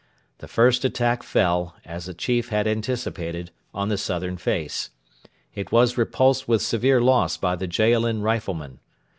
The first attack fell, as the chief had anticipated, on the southern face. It was repulsed with severe loss by the Jaalin riflemen.